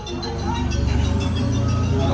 อาจารย์สะเทือนครูดีศิลปันติน